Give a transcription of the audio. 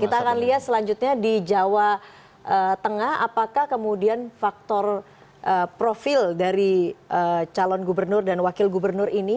kita akan lihat selanjutnya di jawa tengah apakah kemudian faktor profil dari calon gubernur dan wakil gubernur ini